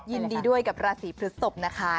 ยินดีด้วยกับราศีพฤศพนะคะ